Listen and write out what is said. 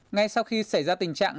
ngay sau khi xảy ra tình trạng